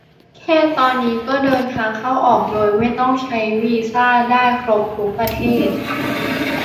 แค่ตอนนี้ก็เดินทางเข้าออกโดยไม่ต้องใช้วีซ่าได้ครบทุกประเทศ